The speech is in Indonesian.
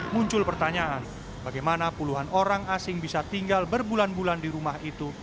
muncul pertanyaan bagaimana puluhan orang asing bisa tinggal berbulan bulan di rumah itu